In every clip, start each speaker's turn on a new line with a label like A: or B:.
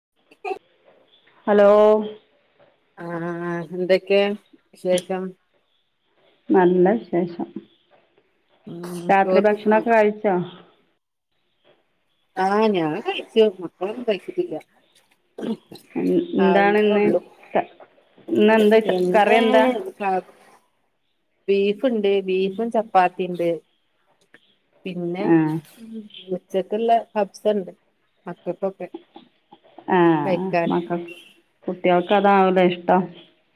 A: [inaudible]
B: Hello
A: ആാ എന്തൊക്കെയ്യ്യാ വിശേഷം
B: നല്ല വിശേഷം
A: ഉം
B: രാത്രി
A: ചോറ് തിന്നോ
B: ഭക്ഷണൊക്കെ കഴിച്ചോ?
A: ആാ ഞാൻ കഴിച്ചു മക്കാളൊന്നും കഴിച്ചിട്ടില്ല
B: എന് എന്താണ്
A: ആവുന്നേ
B: ഇന്ന്
A: ഉള്ളൂ
B: ക ഇന്നെന്താ വെ കറി എന്താ
A: ബീഫ് ഒണ്ട് ബീഫും ചപ്പാത്തിയും ഒണ്ട് പിന്നെ
B: ആ
A: ള്ളോ പപ്പ്സോണ്ട്
B: ആാ
A: കഴിക്കാൻ
B: മക്കക്ക് കുട്ട്യാകൾക്ക് അതാണല്ലോ ഇഷ് ഷ്ടം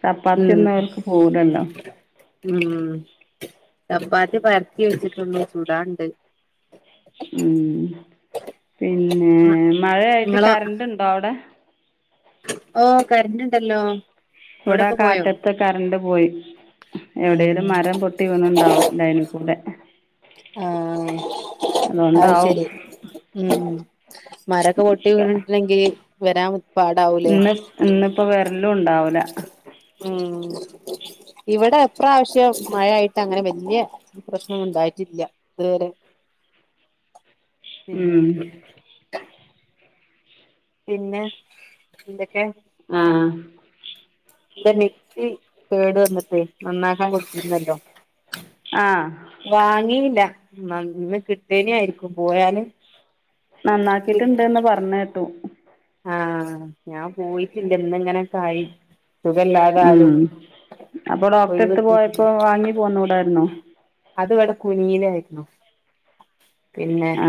B: ചപ്പാത്തി
A: ഉം
B: ഒന്നും അവരക്ക് പോവൂല്ലലോ
A: ഉം ചപ്പാത്തി പരെത്തി വെച്ചിട്ടെള്ളൂ ചൂടാണ്ട്
B: ഉം പിന്നെ
A: ആഹ്
B: മഴയായിട്ട്
A: നിങ്ങളോ
B: കറന്റ് ഒണ്ടോ അവടെ
A: ഓ കരണ്ടണ്ടാല്ലോ
B: ഇവടെ കാറ്റത്ത് കറണ്ട് പോയി
A: ഉം
B: എവിടെലും മരം പൊട്ടി വീണുണ്ടാവും ലൈനി കൂടെ
A: ആാ അത്
B: അതുകൊണ്ടാവും
A: ശെരി ഉം മരൊക്കെ പൊട്ടിവീണിട്ടിണ്ടെങ്കി വെരാവു
B: ഇന്ന് ഇന്നിപ്പം വെര്ലും ഉണ്ടാവുല്ലാ
A: ഉം ഇവടെ എപ്രാവിശ്യം മഴ ആയിട്ട് അങ്ങനെ വല്ല്യാ പ്രശ്നൊന്നുണ്ടിയി റ്റില്ലാ ഇത് വരെ പിന്നെ
B: ഉം
A: പിന്നെ എ
B: ആ
A: [unintelligible] മിക്സി കേട് വന്നിട്ടേ നന്നാക്കാൻ കൊട്ത്തിരിന്നല്ലോ
B: ആ
A: വാങ്ങീല്ല ഇന്ന് കിട്ടേന ആയിരിക്കും പോയല്
B: നന്നാക്കീട്ടിണ്ട്ന്ന് പറഞ്ഞേട്ടു
A: ആഹ് ഞാൻ പോയിട്ടില്ല ഇന്നിങ്ങനെക്കായി
B: ഉം അപ്പൊ
A: ഒഴിവ്
B: ഡോക്ടറെടുത്ത്
A: കിട്ടിട്ടില്ല
B: പോയപ്പോ വാങ്ങി പോന്നൂടാരുന്നോ
A: അത് ഇവിടെ കുഞ്ഞിനായിരുന്നു പിന്നെ
B: ആ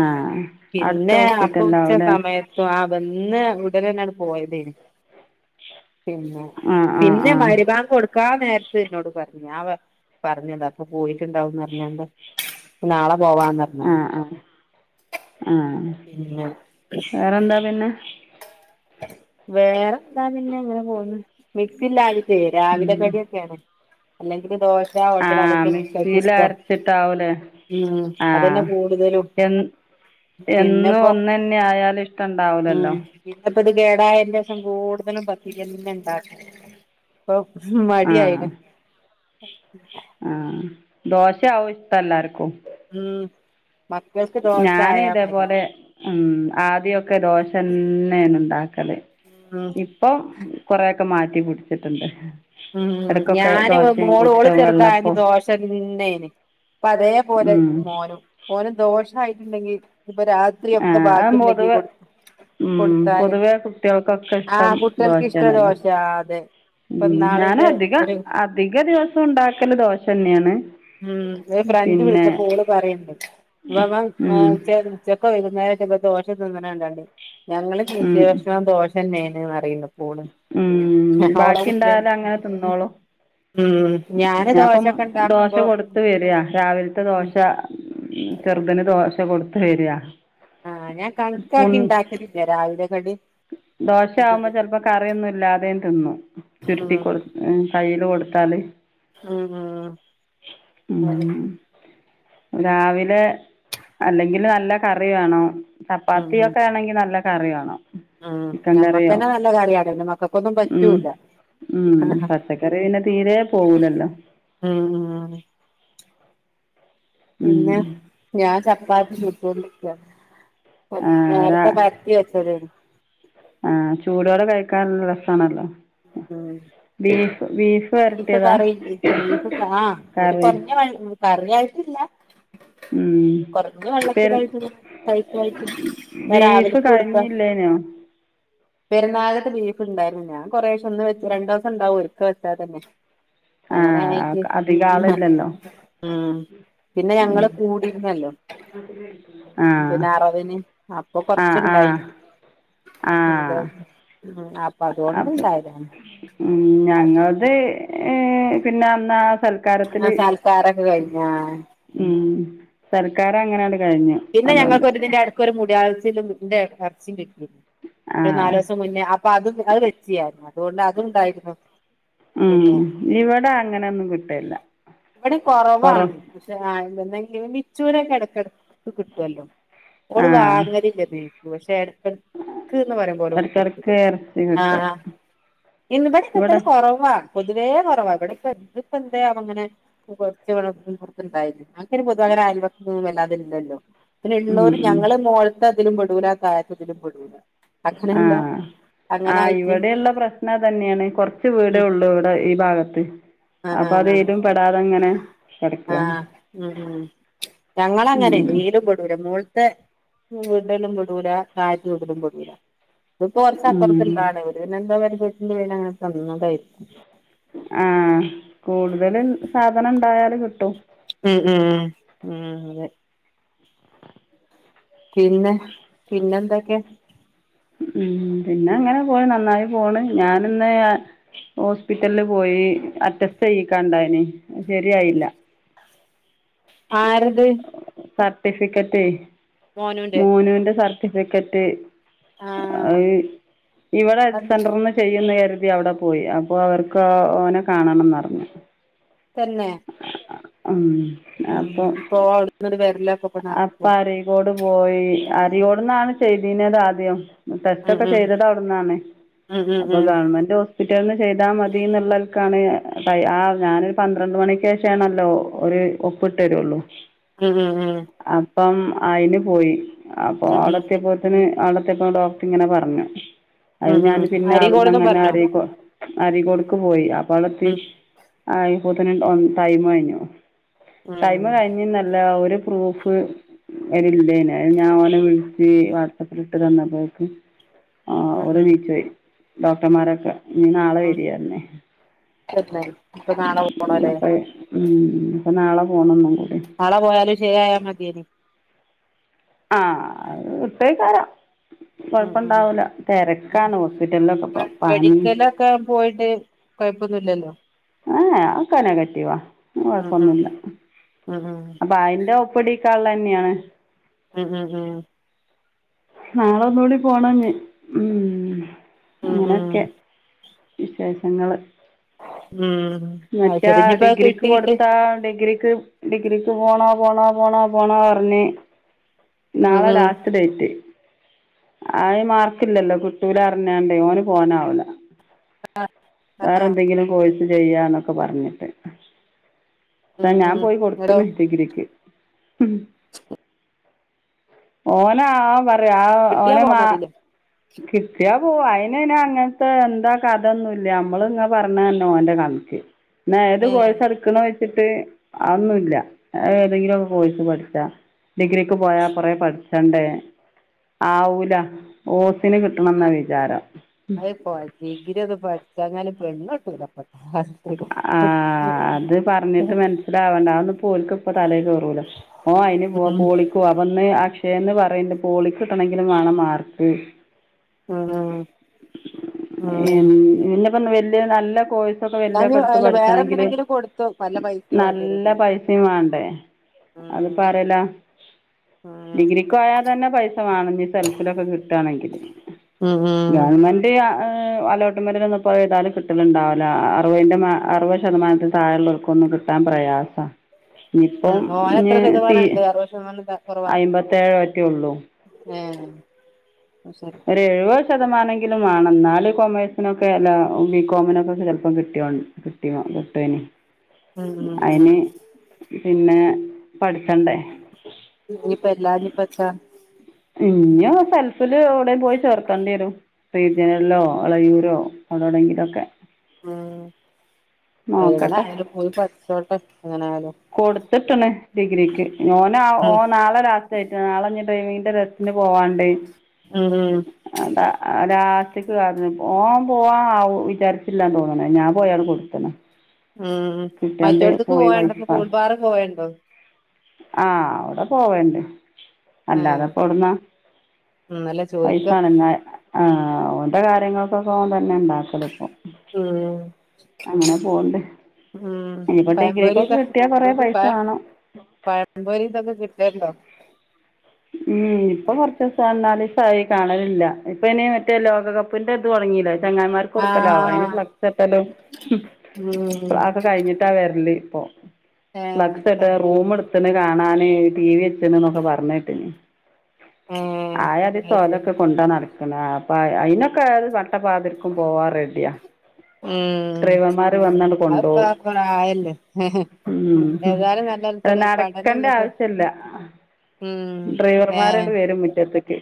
B: അടുത്ത
A: അപ്പൊ ഉച്ച
B: ഹോസ്പിറ്റലിലാവും അല്ലേ
A: സമയത്തും ആ ബ ഇന്ന് ഉടനണ് പോയതേനി പിന്നെ
B: ആ ആ
A: പിന്നെ
B: ആ
A: മരിബാങ്കൊട് ക്കാ നേരത്ത് ഇന്നോട് പറഞ് ആ പറഞ്ഞതാ അപ്പൊ പോയിട്ടിണ്ടാവുന്ന് പറഞ്ഞോണ്ട് നാളെ പോവാന്ന് പറഞ്ഞതാ
B: ആഹ് ആഹ് ആഹ്
A: പിന്നെ
B: വേറെന്താ പിന്നെ
A: വേറെന്താ പിന്നെ ഇങ്ങനെ പോണ് മിക്സില്ലായി ട്ടെ രാവിലെ കടിയൊക്കേണ് അല്ലെങ്കില് ദോശ്
B: ആഹ് മിക്സീലരച്ചിട്ടാവൂലേ
A: ഉം അതന്നെ
B: ആഹ്
A: കൂടുതലും
B: എൻ എന്നും
A: പിന്നെപ്പോ
B: ഒന്നെന്നെ ആയാലും ഇഷ്ടം ഇണ്ടാവ്ലല്ലോ
A: കേടായേന്റെശം കൂട്തലും പത്തിര്യെന്നെണ്ടാ മടി ആയിന് അ
B: ആഹ് ദോശ്യാവും ഇഷ്ടം എല്ലാർക്കും
A: ഉം മക്കൾക്ക് ദോശ
B: ഞാന്
A: ആയാ മതി
B: ഇതേപോലെ ഉം ആദ്യൊ ക്കെ ദോശന്നേണ് ഇണ്ടാക്കല്
A: ഉം
B: ഇപ്പൊ കൊറേ ക്കെ മാറ്റിപടിച്ചിട്ടിണ്ട്
A: ഉം ഞാന് മോള് മോള് ചെറുതായ
B: വെള്ളപ്പവും
A: ദോശന്നന് അപ്പ അതേപോലെ
B: ഉം
A: മോനും മോനും ദോഷ ആയിട്ടുണ്ടെങ്കിൽ ഇപ്പ രാത്രി ഒക്കെ
B: ആഹ് അത്
A: ബാക്കി ഉണ്ടെങ്കി
B: പൊതുവെ
A: കൊടു
B: ഉം
A: കൊടുത്താല്
B: പൊതുവെ കുട്ടികൾക്കൊക്കെ ഇഷ്ടം
A: ആഹ് കുട്ടികൾക്ക് ഇഷ്ട
B: ദോശയാണല്ലോ
A: ദോശയാ അതെ
B: ഉം ഞാന്
A: ഇന്നാളിന്റെ
B: അധിക
A: ഒരു
B: അധിക ദിവസം ഉണ്ടാക്കല് ദോഷന്നെ ആണ്
A: ഉം ഒരു ഫ്രണ്ട് വിളിച്ചപ്പോ ഓള് പറയണ്ട്
B: ഉം
A: അപ്പ ചെക്ക നേര ചെപ്പോത്തെ ദോഷ തൊന്നന ഉണ്ടണ്ട് ഞങ്ങൾ കൃഷ
B: ഉം
A: വെയ്ക്കണ ദോഷ തന്നെ അറ
B: ഉം ബാക്കി ഉണ്ടാലും അങ്ങനെ തിന്നോളൂം
A: ഉം ഞാന്
B: ഞാൻ അപ്പം
A: ദോശൊക്കെ
B: ദോശ
A: ഉണ്ടാക്കുമ്പോ
B: കൊടുത്ത് വിടാ രാവിലത്തെ
A: ഉം
B: ദോശ ചെറുക്കന് ദോ പക്ഷേ കൊടുത്ത് വരാ
A: ആ ഞാൻ
B: പുൺ
A: കണക്കാക്കി ഇണ്ടാക്കലില്ലാ രാവിലെകളിൽ
B: ദോശ ആവുമ്പോ ചെലപ്പോ കറിയൊന്നും ഇല്ലാതെയെ തിന്നു
A: ഉം
B: ചുരുട്ടി കൊടുത്ത് കയ്യി കൊടുത്താല്
A: ഉം ഉം അതെ
B: ഉം രാവിലെ അല്ലെങ്കില് നല്ല കറി വേണം
A: ഉം
B: ചപ്പാത്തിയെ
A: ഉം
B: ഒക്കെ ആണെങ്കി നല്ലാ കറി വേണം
A: ഉം
B: ചിക്കൻ
A: ഞമ്മക്ക്
B: കറിയോ
A: തന്നെ നല്ല കറിയാണ് പിന്നെ മക്കക്കേന്നും
B: ഉം
A: പറ്റൂല്ലാ
B: ഉം പച്ചക്കറി പിന്നെ തീരെ പോവൂലല്ലോ
A: ഉം ഉം
B: ഉം
A: പിന്നെ ഞാൻ ചപ്പാത്തി ചുട്ടോണ്ടി
B: ആ
A: [unintelligible]
B: രാ
A: നേരെത്തെ പരെത്തി വെച്ചത്
B: ആ ചൂടോടെ കഴിക്കാൻ നല്ലാ രെസാണല്ലോ
A: ഉം ബീഫ്
B: വരട്ടിയതാ
A: കറി ബീഫ് ആ ഒര്
B: കറി
A: കൊറഞ്ഞ കറി ആയിട്ടില്ലാ
B: ഉം പെര് ബീഫ്
A: [unintelligible]
B: കഴിഞ്ഞില്ലേനോ
A: പെരുനാളിലത്ത ബീഫ് ഉണ്ടായിരുന്നോ കൊറേശേ ഒന്ന് വെ രണ്ട് ദിവസം ഉണ്ടാവല്ലേ അത് തന്നെ
B: ആ
A: അങ്ങനെ ആയിട്ട്
B: അധികം ആളില്ലല്ലോ
A: ഉം പിന്നെ ഞങ്ങള് കൂടിരിന്നല്ലോ
B: ആാ
A: അപ്പം കൊറച്ചെണ്ടായി
B: ആ
A: എന്ത് അപ്പ അപ്പം അതുകൊണ്ട്
B: അപ്പം
A: ണ്ടായതാണ്
B: അത് യെ പിന്നൊന്നാ
A: ആ സാൽക്കാരൊക്കെ കഴിഞ്ഞാ ആഅ
B: ഉം സൽക്കാരം അങ്ങനങ്ങട്
A: പിന്നെ ഞങ്ങക്ക് ഒര് ഇതിന്റെ എടക്ക് ഒര് മുടി [unintelligible]
B: ആ
A: ഒര് നാലോസം മുന്നേ അപ്പം അത് അത് വെച്ചിയായിന്ന് അതുകൊണ്ട് അതുണ്ടായിരുന്നു
B: ഉം
A: പിന്നെ
B: ഇവിടെ അങ്ങനെയൊന്നും കിട്ടുകയില്ല
A: ഇവടെ കൊറവാണ്
B: കുറവ്
A: പശെ അ [unintelligible] മിച്ചൂരക്ക കടക്കിടക്ക ക്ക് കിട്ടുമല്ലോ ഓള്
B: ആ
A: വാങ്ങലില്ല മി പക്ഷേ ഇടകന്നു പറയുമ്പോലോ കിട്ടും
B: ഇടയ്ക്കിടയ്ക്ക് ഇറച്ചി
A: ആ
B: കിട്ടും
A: ഇന്നിവിടെ
B: ഇവിടെ
A: ഉതോലെ കുറവാ പൊതുവേ കുറവാ ഇവിടെ ഇ എപ്പ എന്ത അങ്ങനെ കുറച്ചുണ്ടായി അനക്ക പൊതുവകര ആയൽവക്കൊന്നും വല്ലതതില്ലല്ലോ പി
B: ഉം
A: എണ്ണൂര്
B: ഉം
A: ഞങ്ങള് മോളത്തെ ഇതിലും പെടുല ആ തായത്തത്തിലും പെടുല
B: ആ ആ
A: ആയിട്ട്
B: ഇവിടെയുള്ള പ്രശ്നം തന്നെയാണ് കൊറച്ച് വീടേ
A: ഉം
B: ഉള്ളൂ ഇവിടെ ഈ ഭാഗത്ത്
A: ആ
B: അപ്പോൾ അത് ഏതിലും പെടാതെ ഇങ്ങനെ
A: ആ
B: കിടക്കുകയാണ്
A: ഉ ഞങ്ങ അങ്ങനെ
B: ഉം
A: നീലും പെടൂല മോളത്തെ വിടലും പടൂല കാറ്റ് വിടലും പടൂല
B: ഉം
A: ഇത്റച്ചപ്പറത്തില്ലാണ് ഇവര് എന്താ [unintelligible] അങ്ങനെ തന്നതെ
B: ആ കൂടുതലും സാധനം ഉണ്ടായല് കിട്ടും
A: ഉം ഉം ഉം അതെ പിന്നെ പിന്നെന്തൊക്കെയ
B: ഉം പിന്നെ അങ്ങനെ പോയി നന്നായി പോണ് ഞാന് ഇന്ന് ഹോസ്പിറ്റലില് പോയി അറ്റസ്റ്റ് ചെയ്യിക്കാണ്ടായിന് ശരിയായില്ല
A: ആരത്?
B: സർട്ടിഫിക്കറ്റ്
A: മോനുന്റെ
B: മോനുവിന്റെ സർ സർട്ടിഫിക്കേറ്റ്
A: ആഹ്
B: ഇവിടെ
A: അത്
B: സെന്റർന്ന് ചെയ്യുന്ന അ അവിടെ പോയി അപ്പൊ അവർക്ക് ഓനെ കാണണംന്ന്റിഞ്ഞു
A: തന്നെ
B: ആഹ്
A: ഉം പ്പൊ ഓ അവട്ന്നട് വര്ലപൊ
B: അപ്പൊ അരീകോട് പോയി അരിയോട്ന്നാണ് ചെയ്തിഞത് ആദ്യം ടെസ്റ്റ
A: ഉം
B: ഒക്കെ
A: ഉം
B: ചെയ്തത് അവിടന്നാണ്
A: ഉം ഉം
B: അപ്പൊ ഗവൺമെന്റ് ഹോസ്പിറ്റൽന്ന് ചെയ്താ മതി ന്നുള്ളക്കാണ് പൈ ആ ഞാനൊരു പന്ത്രണ്ട് മണിക്കേഷാണല്ലോ ഒരു ഒപ്പ്‌ ട്ടരുള്ളു
A: ഉംഉ ഉം
B: പ്പം ആയിന് പോയി അപ്പൊ
A: ഉം
B: അവിടത്യപോത്തിന് അവിടുത്യപ്പൊ ഡോക്റ്റ് ഇങ്ങനെ പറഞ്ഞു
A: ഉം
B: അഹ്
A: ഉം
B: ഞാന്
A: ഉം
B: പിന്നെ
A: അരി
B: അവിടുന്ന്
A: കൊട്ന്നും
B: അങ്ങനെ
A: പറഞ്ഞോ
B: അരീകൊ അരീകോടുക്ക് പോയി അപ്പ അവിടെത്തി
A: ഉം
B: ആയിപ്പോതിന്ണ്ടാവും ടൈം കയിഞ്ഞോ
A: ഉം
B: ടൈം കഴിഞ്ന്നല്ല ഒരു പ്രൂഫ് വരില്ലേന ഞാ ഓനെ വിളിച്ച് വാട്സആപ്പിലിട്ട് തന്നപ്പോക്ക് ആഹ്
A: ഉം
B: ഓല്
A: ഉം
B: നീച്ചോയി ഡോക്ടർമാരൊക്കെ ഞ്ഞി നാളെ വരിയർഞ്
A: [unintelligible] ഇപ് നാളെ പോണല്ലേ
B: പ്പം നാളെ പോണം ഒന്നുംകൂ
A: നാളെ പോയാലും ശരിയായ മതിയേഞ്
B: ആ ഇട്ടയ്കാരം
A: ഉം
B: കൊഴപ്പ
A: ഉം
B: ണ്ടാവൂല
A: ഉം
B: തെരക്കാണ് ഹോസ്പിറ്റല്ലൊന്നുപ്പം പാനി
A: സുഖല്ലലോ
B: ഏ ഏ അഒക്കെ നഗട്ടീവാ
A: ഉം ഉം
B: കൊഴപ്പൊന്നുല്ല
A: ഉം
B: അപ്പൊ അയിന്റെ ഒപ്പ്‌ടി തള്ളന്നെയാണ്
A: ഹ് ഹ് ഹ്
B: നാളെ ഒന്നൂടി പോണംഞ് ഉം
A: ഉം ഹു
B: വിശേഷങ്ങള്
A: ഉം അത്
B: മറ്റാ
A: ശരി ഇനിപ്പോ അത്
B: ഡിഗ്രിക്ക്
A: കിട്ടീട്ട്
B: കൊടുത്താ ഡിഗ്രിക്ക് ഡിഗ്രിക്ക് പോണോ പോണോ പോണോ പോണോർഞ്
A: ഉം
B: നാളെ
A: ഉം
B: ലാസ്റ്റ് ഡേറ്റ് ആയി മാർക്കില്ലല്ലോ കുട്ടൂലാർഞാണ്ട് ഓന് പോവാനാവില്ല വേറെ എന്തെങ്കിലും കോഴ്സ് ചെയ്യാനോ ക്കെ പറഞ്ഞിട്ട് അ
A: ഉം
B: ഞാൻ
A: ഉം
B: പോയി
A: ന്നട്ടോ
B: കൊടുത്തണ് ഡിഗ്രിക്ക് ഉം ഓനാ അ ആ
A: കിട്ടിയാ
B: ഓനെ
A: പോവാൻ
B: മാ
A: മതില്ലേ
B: കിട്ടയാ പോവാ അയിനയ്ന് അങ്ങൻത്തെ എന്താ കഥൊന്നും അമ്മളിങ്ങ പറഞ്ഞ് തന്നോ ന്റെ കണക്ക് ഏതു
A: ഏഹ്
B: കോഴ്സ ഇടുക്കുണ് ട്ട് അതൊന്നുല്ല അത് ഏതെങ്കിലൊക്കെ കോഴ്സ് പഠിച്ച ഡിഗ്രിക്ക് പോയാ കൊറേ പഠിച്ചണ്ടേ ആവൂല ഓ ത്തിന് കിട്ടണംന്ന
A: ആഹ്
B: വിചാരം
A: ഞ്ഞാല് പെണ്ണിട്ടൂല്ല ഇപ്പത്ത കാ
B: ആ അത് പറഞ്ഞിട്ട്
A: ഉം
B: മനസ്സിലാവണ അതൊ പോൽക്കിപ്പൊ തലേകേ ഓ അയിന് പോ പോളിക്കോ അപ്പന്ന് ഷേന്ന് പറേണ്ട് പോളി കിട്ടണമെങ്കിലും വാണം മാർക്ക്
A: ഉം ഉം
B: എ പിന്നെപ്പെന്ന വെ നല്ല കോഴസൊക്കെ വെല്ല
A: എന്നാഞ്ഞ്
B: എടുത്ത്
A: അല്ല വേറെ
B: പഠിച്ചണെങ്കില്
A: എന്തിനെങ്കിലും കൊടുത്തോ നല്ല പൈസ വേണ്ടി
B: നല്ല
A: വരൂല്ലേ
B: പൈസയും വാണ്ടേ അത്
A: ഉം
B: പറേല
A: ഉം
B: ഡിഗ്രക്ക് പോയാ തന്നെ പൈസ വാണം സെൽഫിലൊക്കെ കിട്ടിണെങ്കില്
A: ഉം ഉം
B: ഗവൺമെന്റ് ആ അലോട്ട്മെന്റിനൊന്ന്പ്പോഴ ഏതാലും കട്ടലുണ്ടാവ്ല് അറ്വേൻ്റ അറുപത് ശതമാനത്തി താഴെള്ളോർക്കൊന്നും കിട്ടാൻ പ്രയാസം ഇനിയിപ്പം
A: ഉം ഓന് എത്ര
B: ഞ്
A: ശതമാനണ്ട് അറുപത് ശതമാനം ത
B: അയമ്പത്തേഴോ ഒറ്റെ ഉള്ളൂ
A: ഏ
B: രേഴ്വ ശതമാനെങ്കിലും വാണം ഇന്നാല് കൊമേഴ്സിനൊക്കെ അല്ല ബികോമിനൊക്കെ ചെലപ്പം കിട്ടിയ കിട്ടിയ കിട്ടേന്
A: ഉം ഉം
B: അയിന്
A: ഉം
B: പിന്നെ പഠിച്ചണ്ടേ
A: നിപ്പ ഇല്ലനിപ്പത്ത
B: ഇഞ്ഞ് സെൽഫില് [unintelligible] പോയി ചേർക്കേണ്ട്യെരും റീജ്യേനല്ലോ അളയൂരോ അടോടെങ്കിലൊക്കെ
A: ആഹ് [unintelligible] പോയി പഠ് ചോട്ടെ
B: കൊടുത്തിട്ടണ് ഡിഗ്രിക്ക് ഞാനോ ഓ
A: ഉം
B: നാളെ രാത്രി ആയിട്ട് നാളെ ട്രെയിനിന്റെ റിസൾട്ട് പോവാണ്ട്
A: ഉം ഉം
B: അതാ സക്ക് കാരണം ഓൻ പോവാ ആ വിചാരിച്ചില്ലാന്ന് തോന്നണ ഞാൻ പോയാണ് കൊടുത്തണ
A: ഉം മറ്റടത്തക്ക് പോവണ്ട സ്കൂൾബാർ പോയണ്ടോ
B: ആഹ അവിടെ പോവണ്ട് അല്ലാ
A: ഏഹ്
B: അതപ്പോവിടന്നാ
A: ഇന്നലെ ചോയിക്ക
B: പൈസണാ ആഹ ഓന്റെ കാര്യങ്ങൾക്കൊക്കെ അവൻ തന്നെ ഉണ്ടാക്കല് ഇപ്പൊ
A: ഉം
B: അങ്ങനെ പോവ്ണ്ട്
A: ഉ
B: ഇനിയിപ്പോ ഡിഗ്രിക്കൊക്കെ കിട്ടിയാ കൊറേ
A: [inaudible]
B: പൈസ
A: പ
B: വാണം
A: പഴമ്പൊരി ഇതൊക്കെ കിട്ടുല്ലോ
B: ഉം ഇപ്പൊ കുറച്ച ദിവസം വന്നാല് നാല് ദിവസാഴി കാണലില്ല ഇപ്പ ഇനി മറ്റേ ലോകകപ്പിന്റെ ഇത് തുടങ്ങിയില്ലെ ചെങ്ങൻമാർ കൊടുക്കലോ അതിന്
A: ആഹ് ഉം
B: ഫ്ലക്സ്ട്ടലോക്കെ കഴിഞ്ഞിട്ടാ വരല് ഓ
A: ഏഹ്
B: ഫ്ലക്സ്ട്ട റൂമ
A: കറിവേപ്പില
B: എടുത്ത് കാണാൻ ടി വി വച്ചൊക്കെ പറഞ്ഞട്ട്
A: ആഹ്
B: ആ അത്
A: ശരി
B: സോലൊക്കെ കൊണ്ടോ നടക്കെണ പ അയിനൊക്കെ അത് നട്ട പാതിരിക്കും പോവാൻറഡിയാ
A: ഉം
B: ഡ്രൈവർമാര് വന്നാണ്
A: അത്പ്പ
B: കൊണ്ടുപോവും
A: പ്രായല്ലേ
B: ഉം
A: ഏതായാലും നല്ലൊരു പഠനം
B: നടക്കണ്ട
A: ഇതൊക്കെ
B: ആവശ്യല്ല
A: ഉം ഏഹ്
B: ഡ്രൈവർമാരാണ് വരും മുറ്റത്തേക്ക്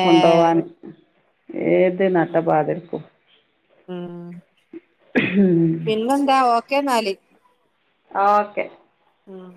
A: ഏഹ്
B: കൊണ്ടുപോവാൻ ഏത് നട്ട
A: ഉം
B: പാതിരർക്കും
A: ഉം
B: ഉം
A: പിന്നെന്താ ഓക്കേന്നാല്
B: ആഹ ഓക്കെ
A: ആഹ